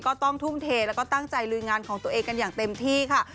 ก็ต้องทุ่มเทแล้วก็ตั้งใจลุยงานของตัวเองกันอย่างเต็มที่ค่ะ